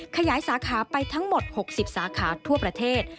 ขยายสาขาไปทั้งหมด๖๐สาขาทั่วประเทศ